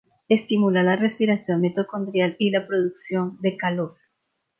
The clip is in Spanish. Estimulan la respiración mitocondrial y la producción de calor.